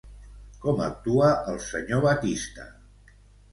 Com actua el senyor Batista?